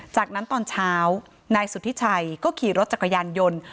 จากนั้นตอนเช้านายสุธิชัยก็ขี่รถจักรยานยนต์